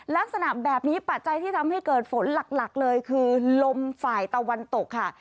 ลักษณะแบบนี้ปัจจัยที่ทำให้เกิดฝนหลักเลยคือลมฝ่ายตะวันตกค่ะ